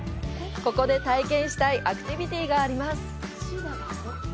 ここで体験したいアクティビティがあります。